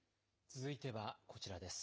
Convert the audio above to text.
続いてはこちらです。